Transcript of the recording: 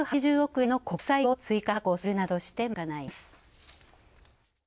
円の国債を追加発行するなどして賄います。